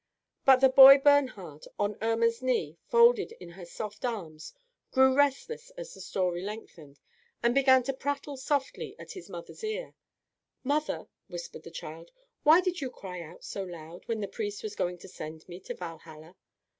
But the boy Bernhard, on Irma's knee, folded in her soft arms, grew restless as the story lengthened, and began to prattle softly at his mother's ear. "Mother," whispered the child, "why did you cry out so loud, when the priest was going to send me to Valhalla?"